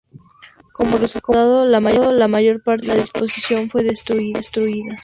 Como resultado, la mayor parte de la disposición fue destruida.